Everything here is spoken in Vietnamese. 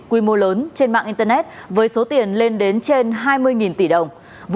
quy mô lớn trên mạng internet với số tiền lên đến trên hai mươi tỷ đồng